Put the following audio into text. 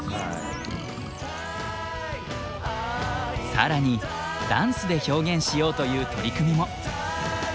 更にダンスで表現しようという取り組みも。